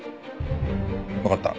わかった。